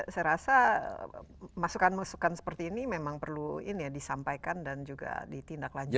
saya rasa masukan masukan seperti ini memang perlu disampaikan dan juga ditindaklanjuti